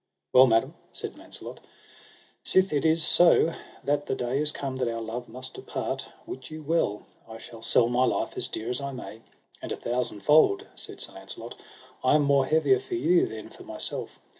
Well, madam, said I auncelot, sith it is so that the day is come that our love must depart, wit you well I shall sell my life as dear as I may; and a thousandfold, said Sir Launcelot, I am more heavier for you than for myself.